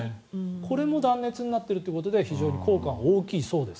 これも断熱になっているということで非常に効果が大きいそうです。